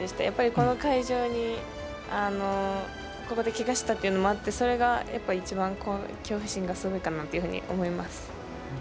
やっぱり、この会場に、ここでけがしたというのもあって、それがやっぱり一番恐怖心がすごいかなというふうに思います。